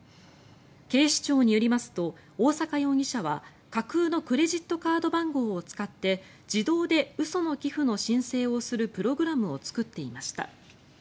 警視庁によりますと大坂容疑者は架空のクレジットカード番号を使って自動で嘘の寄付の申請をするプログラムを作っていました。